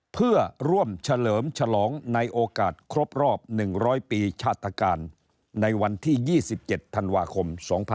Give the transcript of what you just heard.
เพื่อร่วมเฉลิมฉลองในโอกาสครบรอบ๑๐๐ปีชาตการในวันที่๒๗ธันวาคม๒๕๖๒